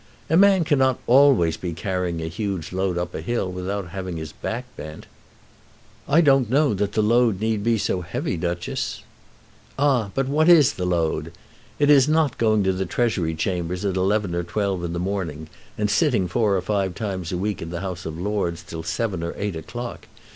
"A man cannot always be carrying a huge load up a hill without having his back bent." "I don't know that the load need be so heavy, Duchess." "Ah, but what is the load? It is not going to the Treasury Chambers at eleven or twelve in the morning, and sitting four or five times a week in the House of Lords till seven or eight o'clock.